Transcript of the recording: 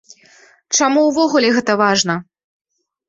Чаму ўвогуле гэта важна?